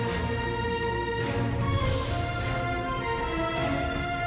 ชูเว็ดตีแสดหน้า